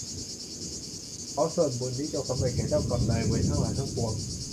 ขอส่วนบุญนี้จงสำเร็จแก่เจ้ากรรมนายเวรทั้งหลายทั้งปวง